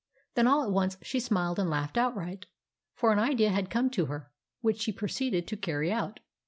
Then all at once she smiled and laughed outright. For an idea had come to her, which she proceeded to carry out.